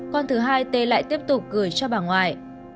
con thứ hai t lại tiếp tục gửi cho bà ngoại